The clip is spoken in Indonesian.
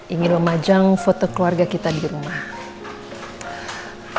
ingin memajang foto keluarga kita di rumah